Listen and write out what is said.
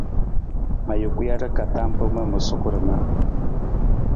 Ma juku jar ka tam mpa ma wii ma suku ra na.